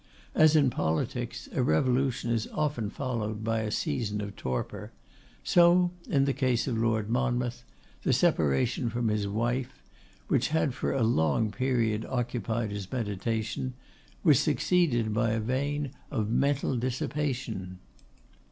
As in politics a revolution is often followed by a season of torpor, so in the case of Lord Monmouth the separation from his wife, which had for a long period occupied his meditation, was succeeded by a vein of mental dissipation.